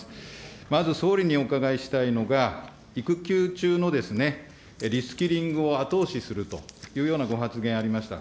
まず総理にお伺いしたいのが、育休中のリスキリングを後押しするというようなご発言ありました。